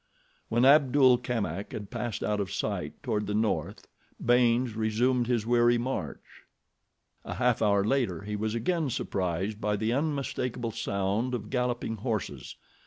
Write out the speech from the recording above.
When Abdul Kamak had passed out of sight toward the North Baynes resumed his weary march. A half hour later he was again surprised by the unmistakable sound of galloping horses.